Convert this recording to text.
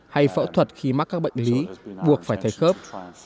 hay phẫu thuật khi mắc các bệnh lý buộc phải thay khớp